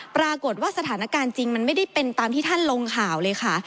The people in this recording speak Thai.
ปรากฏว่าสถานการณ์จริงมันไม่ได้เป็นตามที่ท่านลงข่าวเลยค่ะ